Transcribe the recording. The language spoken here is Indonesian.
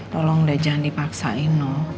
tolong deh jangan dipaksain no